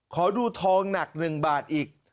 ขอดูทองหนักหนึ่งบาทอีก